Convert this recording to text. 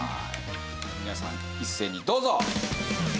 皆さん一斉にどうぞ！